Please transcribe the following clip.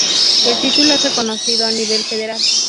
El título es reconocido a nivel federal.